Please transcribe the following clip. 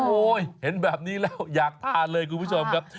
โอ้โหเห็นแบบนี้แล้วอยากทานเลยคุณผู้ชมครับ